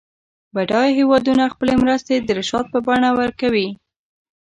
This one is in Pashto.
بډایه هېوادونه خپلې مرستې د رشوت په بڼه ورکوي.